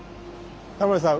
タモリさん